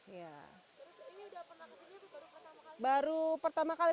ini sudah pernah ke sini atau baru pertama kali